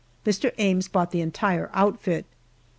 Mr. Ames bought the entire outfit.